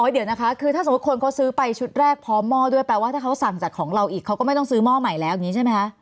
เดี๋ยวนะคะคือถ้าสมมุติคนเขาซื้อไปชุดแรกพร้อมหม้อด้วยแปลว่าถ้าเขาสั่งจากของเราอีกเขาก็ไม่ต้องซื้อหม้อใหม่แล้วอย่างนี้ใช่ไหมคะ